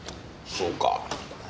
そうか。